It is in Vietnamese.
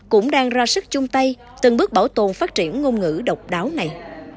cũng đang ra sức chung tay từng bước bảo tồn phát triển ngôn ngữ độc đáo này